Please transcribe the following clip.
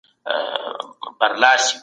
استازي د عدالت د ټينګښت لپاره کار کوي.